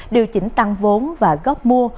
điều chỉnh tăng vốn và góp mua